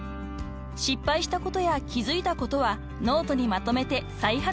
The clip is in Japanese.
［失敗したことや気付いたことはノートにまとめて再発防止］